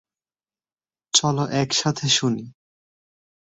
চল একসাথে শুনি।